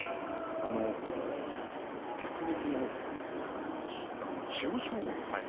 逆に千代翔馬ですね。